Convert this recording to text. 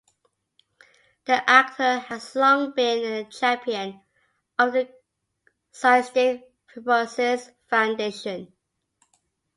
The actor has long been a champion of the Cystic Fibrosis Foundation.